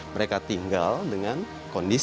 mereka tinggal dengan kondisinya